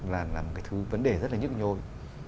làm cái thứ vấn đề rất là nhức nhôi